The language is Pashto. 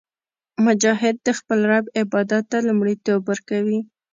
مجاهد د خپل رب عبادت ته لومړیتوب ورکوي.